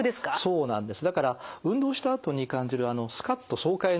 そうなんです。